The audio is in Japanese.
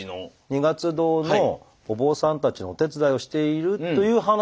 二月堂のお坊さんたちのお手伝いをしているという話は聞いて。